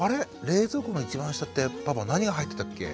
冷蔵庫の一番下ってパパ何が入ってたっけ？」